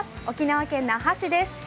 沖縄県那覇市です。